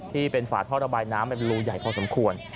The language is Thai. ฝาท่อระบายน้ำเป็นรูใหญ่พอสมควร